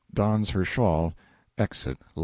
(Dons her shawl. Exit. L.)